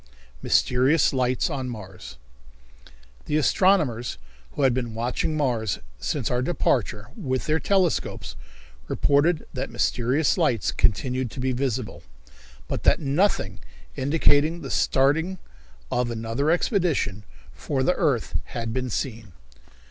Mysterious Lights on Mars. The astronomers, who had been watching Mars, since our departure, with their telescopes, reported that mysterious lights continued to be visible, but that nothing indicating the starting of another expedition for the earth had been seen.